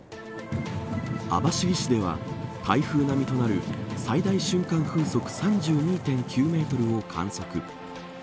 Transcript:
網走市では台風並みとなる最大瞬間風速３２．９メートルを観測。